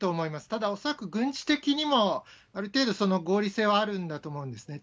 ただ恐らく軍事的にもある程度、合理性はあるんだと思うんですね。